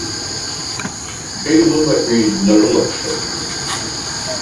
Лаҳәшьеи лымаҳәи днарылаԥхьап.